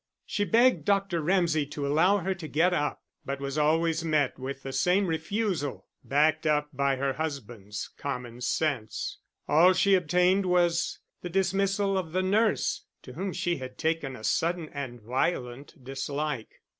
She begged Dr. Ramsay to allow her to get up, but was always met with the same refusal, backed up by her husband's common sense. All she obtained was the dismissal of the nurse to whom she had taken a sudden and violent dislike.